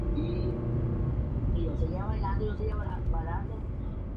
Inicialmente comenzó siendo soprano, en la actualidad es mezzosoprano.